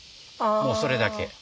もうそれだけ。